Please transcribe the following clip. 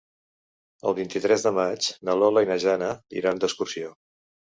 El vint-i-tres de maig na Lola i na Jana iran d'excursió.